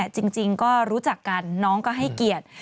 จริงก็รู้จักกันน้องก็ให้เกียรติ